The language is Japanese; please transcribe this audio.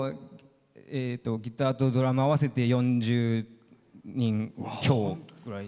ギターとドラム合わせて４０人強ぐらい。